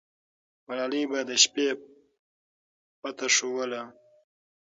ملالۍ به د شپې پته ښووله.